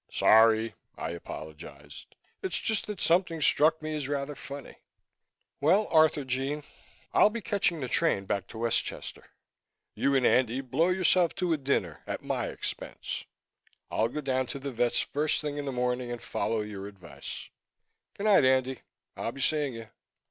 "Sorry," I apologized. "It's just that something struck me as rather funny. Well, Arthurjean, I'll be catching the train back to Westchester. You and Andy blow yourself to a dinner at my expense. I'll go down to the vet's first thing in the morning and follow your advice. Good night, Andy. I'll be seeing you."